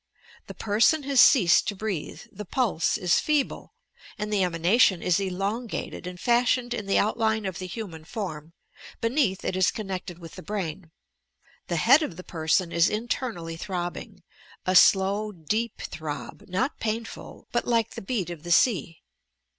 The person has ceased to breathe, the pulse is feeble, and the emanation is elongated and fashioned in the outline of the human form, — beneath it is connected with the brain. The head of the person is internally throbbing — a slow deep throb — not painful, but like the beat of the sea.